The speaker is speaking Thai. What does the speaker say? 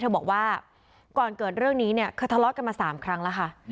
บอกว่าก่อนเกิดเรื่องนี้เนี่ยเธอทะเลาะกันมา๓ครั้งแล้วค่ะ